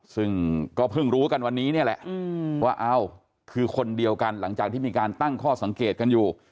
ซึ่งก็เพิ่งรู้กันวันนี้เนี่ยแหละว่าเอ้าคือคนเดียวกันหลังจากที่มีการตั้งข้อสังเกตกันอยู่